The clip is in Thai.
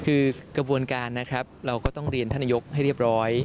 คือกระบวนการนะครับเราก็ต้องเรียนท่านนายกให้เรียบร้อย